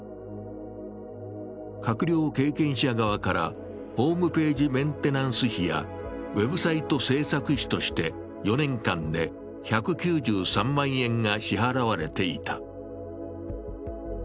閣僚経験者側からホームページメンテナンス費やウェブサイト制作費として４年間で１９３万円が支払われていた。